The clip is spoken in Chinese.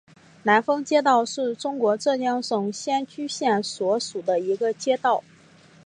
南峰街道是中国浙江省仙居县所辖的一个街道。